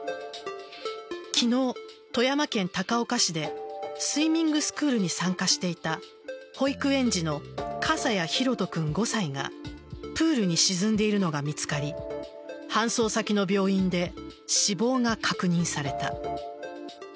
昨日、富山県高岡市でスイミングスクールに参加していた保育園児の笠谷拓杜君、５歳がプールに沈んでいるのが見つかり搬送先の病院で死亡が確認された。